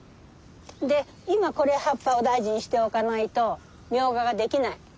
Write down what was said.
で今葉っぱを大事にしておかないとミョウガが出来ない。